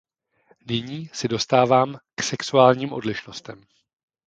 Nyní se dostávám k sexuálním odlišnostem.